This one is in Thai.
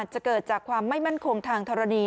จะเกิดจากความไม่มั่นคงทางธรณี